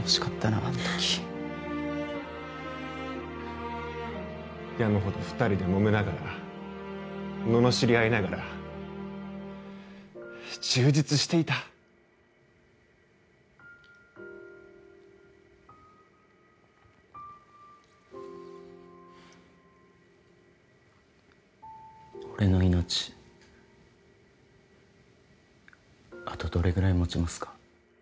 あの時山ほど二人でもめながらののしり合いながら充実していた俺の命あとどれぐらい持ちますか？